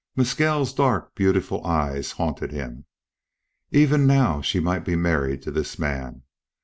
Mescal's dark, beautiful eyes haunted him. Even now she might be married to this man.